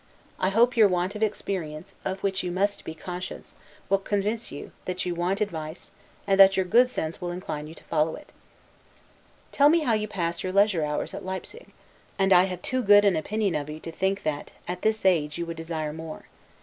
I hope that your want of experience, of which you must be conscious, will convince you, that you want advice; and that your good sense will incline you to follow it. Tell me how you pass your leisure hours at Leipsig; I know you have not many; and I have too good an opinion of you to think, that, at this age, you would desire more.